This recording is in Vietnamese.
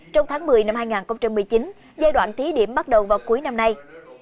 trong tháng một mươi năm hai nghìn một mươi chín giai đoạn thí điểm bắt đầu vào cuối năm nay